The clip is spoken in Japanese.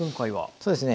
そうですね。